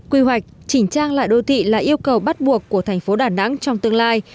quy hoạch chỉnh trang lại đô thị là yêu cầu bắt buộc của thành phố đà nẵng trong tương lai